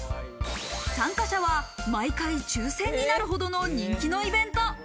参加者は毎回抽選になるほどの人気のイベント。